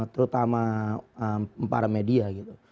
terutama para media gitu